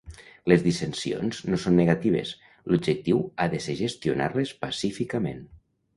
Les dissensions no són negatives, l'objectiu ha de ser gestionar-les pacíficament.